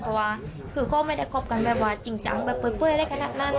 เพราะว่าคือก็ไม่ได้ขอบกันว่าว่าจริงจังแบบโปรดเกือบภาคนั้นนั่น